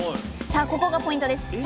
さあここがポイントです！